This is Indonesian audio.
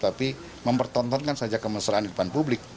tapi mempertontonkan saja kemesraan di depan publik